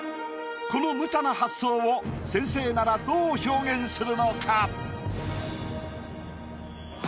このむちゃな発想を先生ならどう表現するのか？